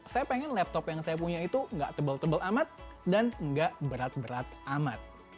saya pengen laptop yang saya punya itu gak tebal tebal amat dan nggak berat berat amat